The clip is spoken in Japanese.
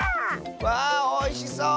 わおいしそう！